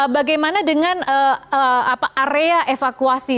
bagaimana dengan area evakuasi